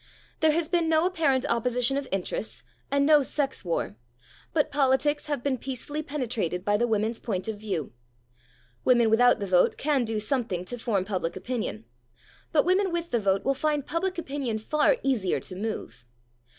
There has been no apparent opposition of interests and no sex war, but politics have been peacefully penetrated by the women's point of view. Women without the vote can do something to form public opinion; but women with the vote will find public opinion far easier to move.